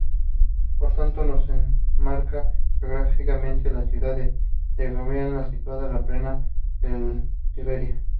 Por tanto, nos enmarca geográficamente la ciudad de Segóbriga: la sitúa en plena Celtiberia.